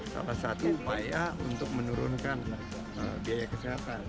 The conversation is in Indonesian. salah satu upaya untuk menurunkan biaya kesehatan